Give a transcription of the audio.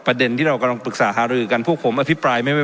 ที่เรากำลังปรึกษาหารือกันพวกผมอภิปรายไม่ไว้